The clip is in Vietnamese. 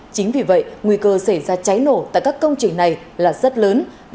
chính vì vậy nguy cơ xảy ra cháy nổ tại các công trình này là rất lớn